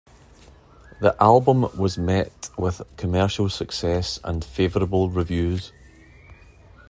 The album was met with commercial success and favorable reviews.